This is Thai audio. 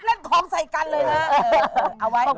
เอ็งจะขอขาดในสกัน